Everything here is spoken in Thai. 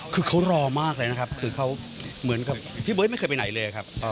คือเขารอมากเลยนะครับคือเขาเหมือนกับพี่เบิร์ตไม่เคยไปไหนเลยครับ